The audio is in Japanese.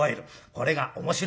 これが面白い。